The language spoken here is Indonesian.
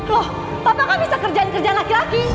loh bapak kan bisa kerjaan kerjaan laki laki